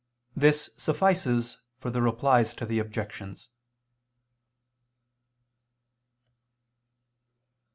This suffices for the Replies to the Objections.